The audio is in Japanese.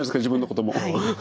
自分のことも。